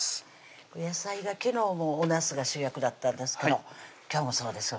お野菜が昨日もおなすが主役だったんですけど今日もそうですよ